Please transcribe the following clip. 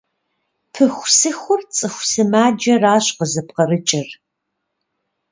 Пыхусыхур цӀыху сымаджэращ къызыпкъырыкӀыр.